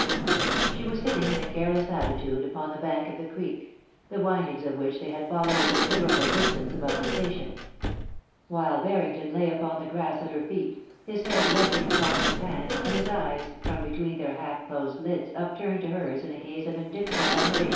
She was sitting in a careless attitude upon the bank of the creek, the windings of which they had followed a con siderable distance above the station ; while Barrington lay upon the grass at her feet, his head resting upon his hand, and his eyes from between their half closed lids upturned to hers in a gaze of indifferent admiration.